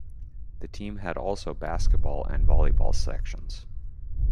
The team had also basketball and volleyball sections.